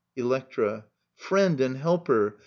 Electra. Friend and helper